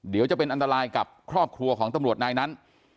เดี๋ยวจะเป็นอันตรายกับครอบครัวของตำรวจนายนั้น